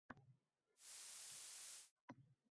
O’zingizni ayblash uchun turmang!